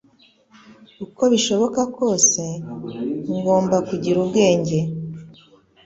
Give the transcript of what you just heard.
uko bishoboka kose. Ngomba kugira ubwenge